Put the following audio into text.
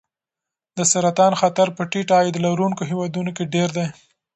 د سرطان خطر په ټیټ عاید لرونکو هېوادونو کې ډېر دی.